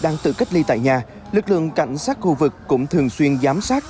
đang tự cách ly tại nhà lực lượng cảnh sát khu vực cũng thường xuyên giám sát